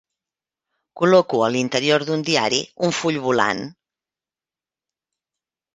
Col·loco a l'interior d'un diari un full volant.